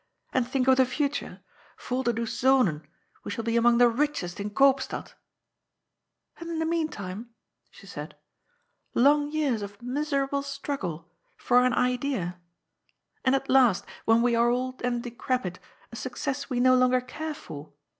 '^ And think of the future 1 Volderdoes Zonen I We shall be among the richest in Koopstad !" "And in the meantime?" she said. "Long years of miserable struggle — for an idea ? And at last, when we are old and decrepit, a success we no longer care for.